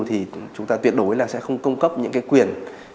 thì chúng ta tuyệt đối là sẽ không cung cấp những cái quyền